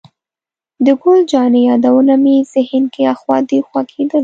د ګل جانې یادونه مې ذهن کې اخوا دېخوا کېدل.